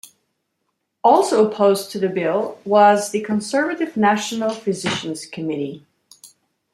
Also opposed to the bill was the conservative National Physicians Committee.